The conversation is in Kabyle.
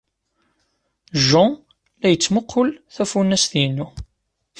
Jean la yettmuqqul tafunast-inu.